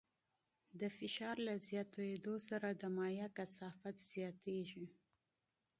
د فشار له زیاتېدو سره د مایع کثافت زیاتېږي.